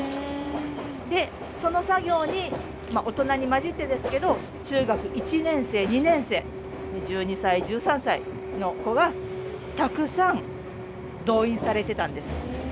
でその作業に大人に交じってですけど中学１年生２年生１２歳１３歳の子がたくさん動員されてたんです。